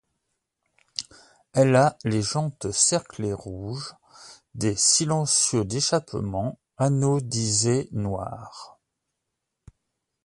Elle a les jantes cerclées rouge, des silencieux d'échappement anodisés noir.